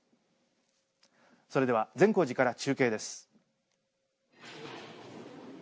それでは善光寺から中継です。